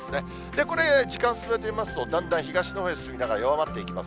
これ、時間進めてみますと、だんだん東のほうへ進みながら弱まっていきます。